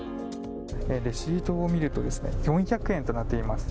レシートを見ると４００円となっています。